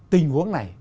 tình huống này